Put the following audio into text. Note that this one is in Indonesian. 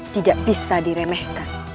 tidak bisa diremehkan